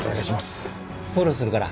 フォローするから。